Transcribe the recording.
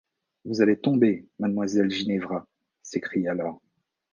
Vous allez tomber, mademoiselle Ginevra, s’écria Laure.